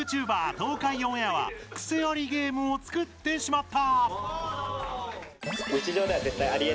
東海オンエアはクセありゲームを作ってしまった！